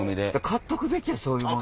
買っとくべきやそういうの。